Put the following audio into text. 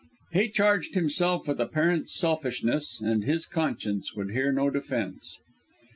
He charged himself with a parent's selfishness, and his conscience would hear no defence.